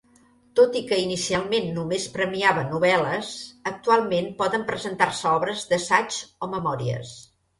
Tot i que inicialment només premiava novel·les, actualment poden presentar-se obres d'assaig o memòries.